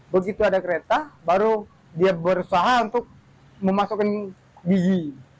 begitu ada kereta baru dia berusaha untuk memasukkan gizi